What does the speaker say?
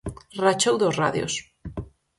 Rachou dous radios.